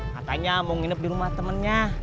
katanya mau nginep di rumah temennya